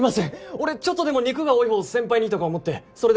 俺ちょっとでも肉が多い方を先輩にとか思ってそれで。